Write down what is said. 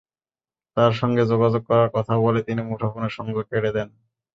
তাঁর সঙ্গে যোগাযোগ করার কথা বলে তিনি মুঠোফোনের সংযোগ কেটে দেন।